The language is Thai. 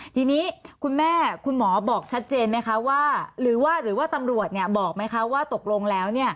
ทีนี้คุณแม่คุณหมอบอกชัดเจนไหมคะว่าหรือว่าตำรวจบอกไหมคะว่าตกลงแล้ว